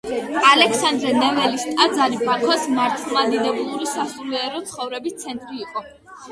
ალექსანდრე ნეველის ტაძარი ბაქოს მართლმადიდებლური სასულიერო ცხოვრების ცენტრი იყო.